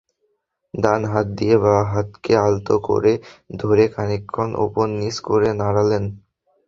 ডান হাত দিয়ে বাঁ হাতকে আলতো করে ধরে খানিকক্ষণ ওপর–নিচ করে নাড়লেন।